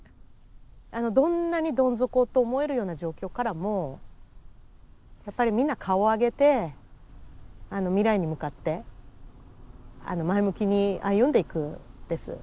あのどんなにどん底と思えるような状況からもやっぱりみんな顔上げて未来に向かって前向きに歩んでいくんです。